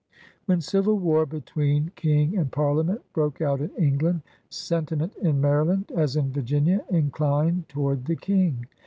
When civil war between King and Parliament broke out in England, sentiment in Maryland as in Virginia inclined toward the King.